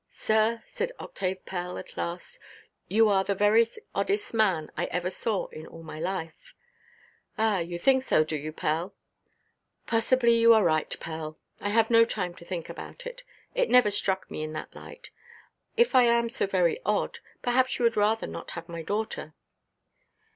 "Sir," said Octave Pell, at last, "you are the very oddest man I ever saw in all my life." "Ah, you think so, do you, Pell? Possibly you are right; possibly you are right, Pell. I have no time to think about it. It never struck me in that light. If I am so very odd, perhaps you would rather not have my daughter?"